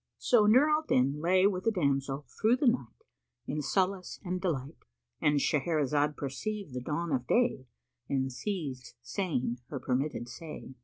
'" So Nur al Din lay with the damsel through the night in solace and delight,—And Shahrazad perceived the dawn of day and ceased saying her permitted say.